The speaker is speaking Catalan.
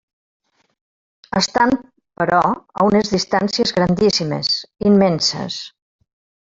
Estan, però, a unes distàncies grandíssimes, immenses.